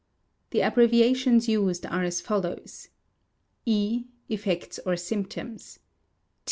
The abbreviations used are as follows: E., effects or symptoms.